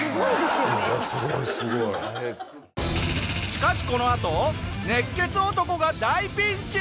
しかしこのあと熱血男が大ピンチ！